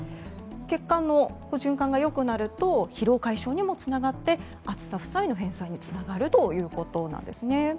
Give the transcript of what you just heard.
血液の循環が良くなると疲労解消にもつながって暑さ負債返済につながるということです。